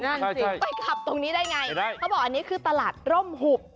นั่นสิไปขับตรงนี้ได้ไงเขาบอกอันนี้คือตลาดร่มหุบ